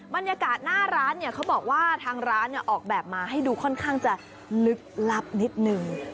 บรรยากาศหน้าร้านเนี่ยเขาบอกว่าทางร้านออกแบบมาให้ดูค่อนข้างจะลึกลับนิดนึง